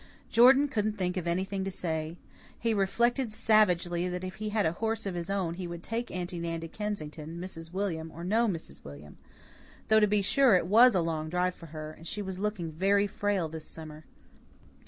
Jordan couldn't think of anything to say. He reflected savagely that if he had a horse of his own he would take Aunty Nan to Kensington, Mrs. William or no Mrs. William. Though, to be sure, it WAS a long drive for her; and she was looking very frail this summer.